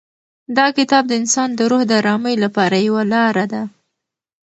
دا کتاب د انسان د روح د ارامۍ لپاره یوه لاره ده.